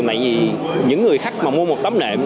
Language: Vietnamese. tại vì những người khách mà mua một tấm nệm